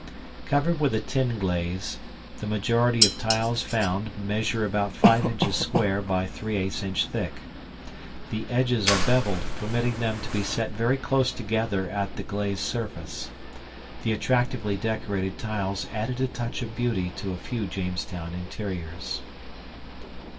Covered with a tin glaze, the majority of tiles found measure about 5 inches square by 3/8 inch thick. The edges are beveled, permitting them to be set very close together at the glazed surface. The attractively decorated tiles added a touch of beauty to a few Jamestown interiors.